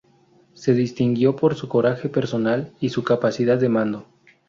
Se distinguió por su coraje personal y su capacidad de mando.